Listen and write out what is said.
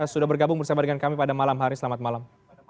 sudah bergabung bersama dengan kami pada malam hari selamat malam